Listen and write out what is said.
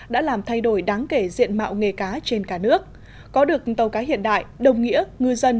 đã làm thay đổi đáng kể diện mạo nghề cá trên cả nước có được tàu cá hiện đại đồng nghĩa ngư dân